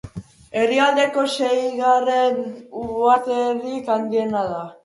Herrialdeko seigarren uharterik handiena da.